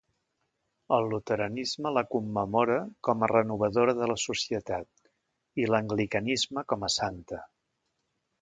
El luteranisme la commemora com a renovadora de la societat, i l'anglicanisme com a santa.